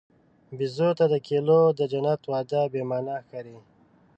بیزو ته د کیلو د جنت وعده بېمعنی ښکاري.